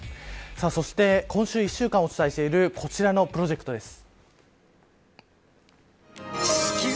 そして今週１週間お伝えしているこちらのプロジェクトです。